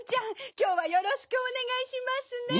きょうはよろしくおねがいしますね。